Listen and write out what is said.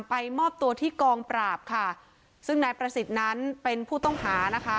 มอบตัวที่กองปราบค่ะซึ่งนายประสิทธิ์นั้นเป็นผู้ต้องหานะคะ